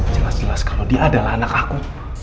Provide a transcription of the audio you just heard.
jelas jelas kalau dia adalah anak aku